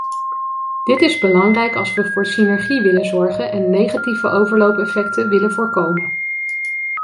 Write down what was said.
Dit is belangrijk als we voor synergie willen zorgen en negatieve overloopeffecten willen voorkomen.